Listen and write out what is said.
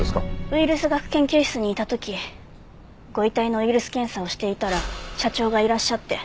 ウイルス学研究室にいた時ご遺体のウイルス検査をしていたら社長がいらっしゃって。